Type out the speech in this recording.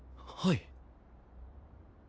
はい。